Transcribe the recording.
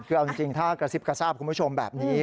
คือเอาจริงถ้ากระซิบกระซาบคุณผู้ชมแบบนี้